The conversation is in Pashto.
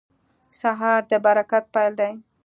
سهار د برکت پیل دی.